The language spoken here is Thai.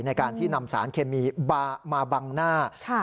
ในการที่นำสารเคมีมาบังหน้า